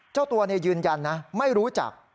เจ้าตัวยืนยันนะไม่รู้จัก